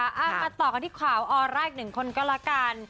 เอามาต่อกันที่ข่าวออแรกหนึ่งคนก็แล้วกัน